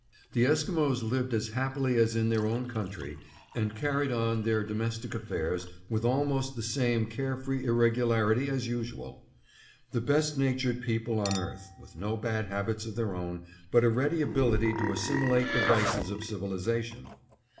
The Esquimos lived as happily as in their own country and carried on their domestic affairs with almost the same care free irregularity as usual. The best natured people on earth, with no bad habits of their own, but a ready ability to assimilate the vices of civilization.